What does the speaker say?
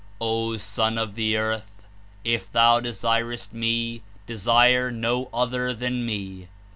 ''O Son of the Earth! If thou desires t Me, desire no other than Me."